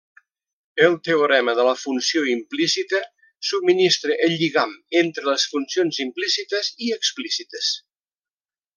El teorema de la funció implícita subministra el lligam entre les funcions implícites i explícites.